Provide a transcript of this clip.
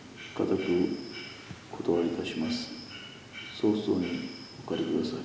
早々にお帰り下さい。